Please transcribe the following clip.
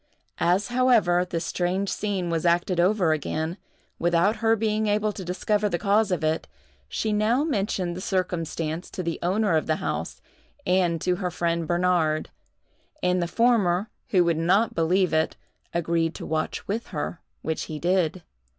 As, however, this strange scene was acted over again, without her being able to discover the cause of it, she now mentioned the circumstance to the owner of the house and to her friend Bernard; and the former, who would not believe it, agreed to watch with her, which he did.